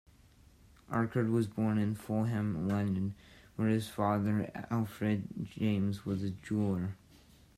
Archard was born in Fulham, London, where his father Alfred James was a jeweller.